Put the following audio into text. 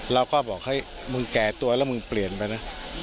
เราก็บอกเฮ้ยมึงแก่ตัวแล้วมึงเปลี่ยนไปนะ